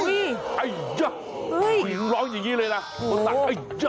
อุ๊ยอัยยะหรือร้องอย่างนี้เลยนะตกตังค์อัยยะ